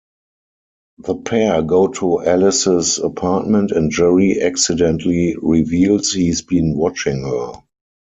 The pair go to Alice's apartment and Jerry accidentally reveals he's been watching her.